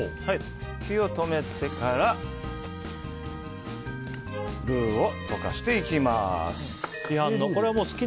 火を止めてから具を溶かしていきます。